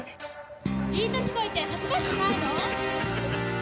いい歳こいて恥ずかしくないの！？